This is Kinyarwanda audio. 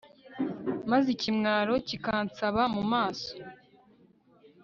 maze ikimwaro kikansaba mu maso